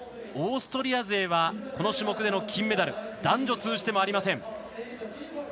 オーストリア勢はこの種目での金メダル男女通じてもありません。